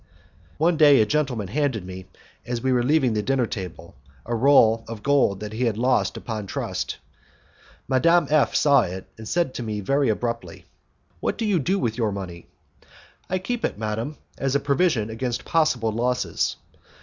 One day a gentleman handed me, as we were leaving the dinner table, a roll of gold that he had lost upon trust; Madame F saw it, and she said to me very abruptly, "What do you do with your money?" "I keep it, madam, as a provision against possible losses."